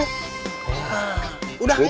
nah udah ngeliat